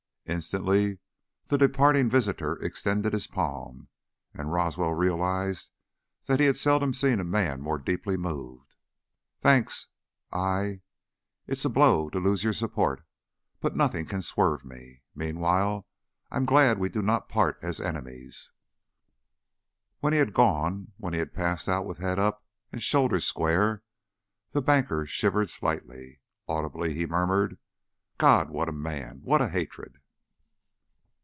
Instantly the departing visitor extended his palm, and Roswell realized that he had seldom seen a man more deeply moved. "Thanks! I It is a blow to lose your support, but nothing can swerve me. Meanwhile, I'm glad that we do not part as enemies." When he had gone, when he had passed out with head up and shoulders square, the banker shivered slightly. Audibly he murmured: "God, what a man! What a hatred!"